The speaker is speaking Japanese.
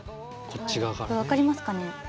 分かりますかね？